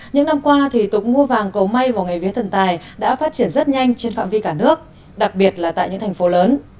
những năm qua thì tục mua vàng cầu may vào ngày vía thần tài đã phát triển rất nhanh trên phạm vi cả nước đặc biệt là tại những thành phố lớn